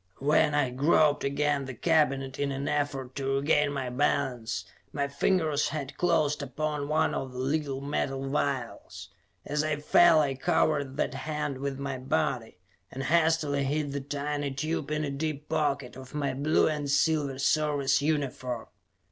When I had groped against the cabinet in an effort to regain my balance, my fingers had closed upon one of the little metal vials. As I fell, I covered that hand with my body and hastily hid the tiny tube in a deep pocket of my blue and silver Service uniform.